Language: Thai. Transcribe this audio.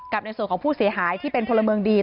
ในส่วนของผู้เสียหายที่เป็นพลเมืองดี